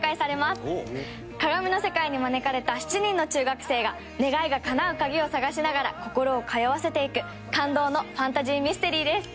鏡の世界に招かれた７人の中学生が願いがかなう鍵を探しながら心を通わせていく感動のファンタジーミステリーです。